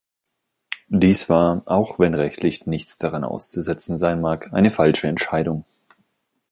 Dies war, auch wenn rechtlich nichts daran auszusetzen sein mag, eine falsche Entscheidung.